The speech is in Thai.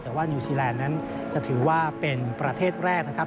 แต่ว่านิวซีแลนด์นั้นจะถือว่าเป็นประเทศแรกนะครับ